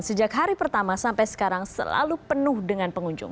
sejak hari pertama sampai sekarang selalu penuh dengan pengunjung